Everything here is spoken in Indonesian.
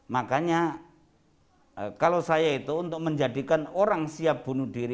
makanya kalau saya itu untuk menjadikan orang siap bunuh diri